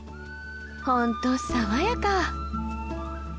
本当爽やか。